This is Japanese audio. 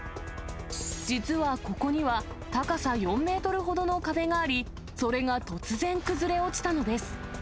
実はここには、高さ４メートルほどの壁があり、それが突然崩れ落ちたのです。